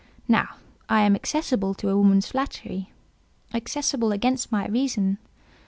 Now, I am accessible to a woman's flattery—accessible against my reason.